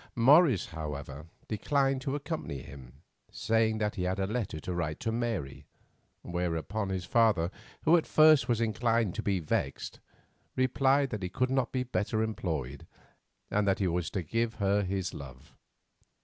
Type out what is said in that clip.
Morris, however, declined to accompany him, saying that he had a letter to write to Mary; whereon his father, who at first was inclined to be vexed, replied that he could not be better employed, and that he was to give her his love.